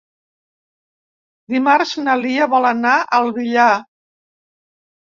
Dimarts na Lia vol anar al Villar.